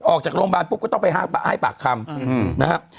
ออกจากโรงพยาบาลปุ๊บก็ต้องไปให้ปากคำนะครับ